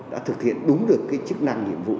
đã thực hiện đúng được chức năng nhiệm vụ